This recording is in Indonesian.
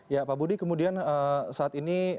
ya pak budi kemudian saat ini